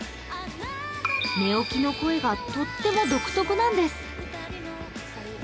寝起きの声がとっても独特なんです。